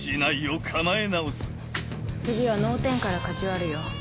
次は脳天からかち割るよ。